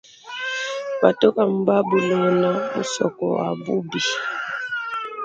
Patuka mu babilona musoko wa bubi.